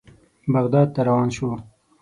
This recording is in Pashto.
بغداد ته روان شوو.